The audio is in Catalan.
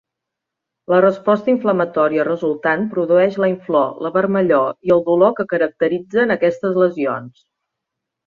La resposta inflamatòria resultant produeix la inflor, la vermellor i el dolor que caracteritzen aquestes lesions.